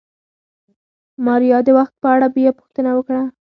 ماريا د وخت په اړه بيا پوښتنه وکړه.